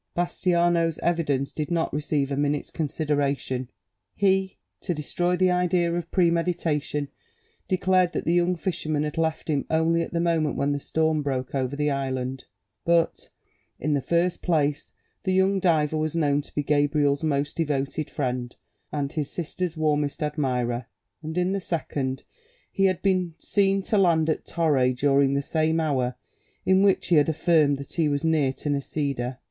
Bastiano's evidence did not receive a minute's consideration: he, to destroy the idea of premeditation, declared that the young fisherman had left him only at the moment when the storm broke over the island; but, in the first place, the young diver was known to be Gabriel's most devoted friend and his sister's warmest admirer, and, in the second, he had been seen to land at Torre during the same hour in which he had affirmed that he was near to Nisida.